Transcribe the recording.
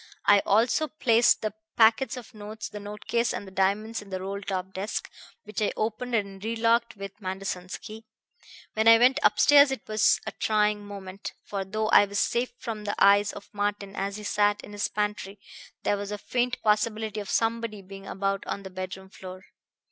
I also placed the packets of notes, the note case and the diamonds in the roll top desk, which I opened and re locked with Manderson's key. When I went upstairs it was a trying moment, for though I was safe from the eyes of Martin as he sat in his pantry, there was a faint possibility of somebody being about on the bedroom floor.